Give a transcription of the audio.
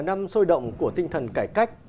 năm sôi động của tinh thần cải cách